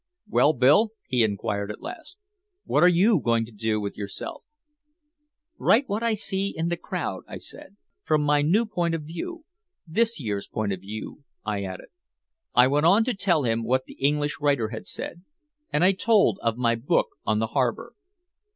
"Well Bill," he inquired at last, "what are you going to do with yourself?" "Write what I see in the crowd," I said, "from my new point of view this year's point of view," I added. I went on to tell him what the English writer had said. And I told of my book on the harbor.